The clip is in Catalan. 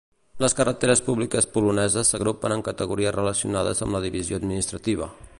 Les carreteres públiques poloneses s'agrupen en categories relacionades amb la divisió administrativa.